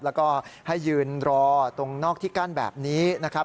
แล้วก็ให้ยืนรอตรงนอกที่กั้นแบบนี้นะครับ